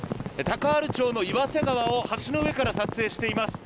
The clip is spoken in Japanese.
高原町の岩瀬川を橋の上から撮影しています。